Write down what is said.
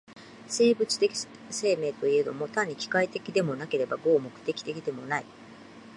生物的生命といえども、単に機械的でもなければ合目的的でもない。